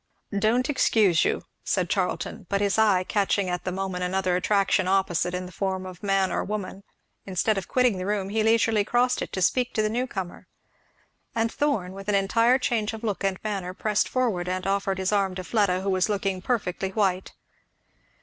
"Don't excuse you," said Charlton; but his eye catching at the moment another attraction opposite in the form of man or woman, instead of quitting the room he leisurely crossed it to speak to the new comer; and Thorn with an entire change of look and manner pressed forward and offered his arm to Fleda, who was looking perfectly white.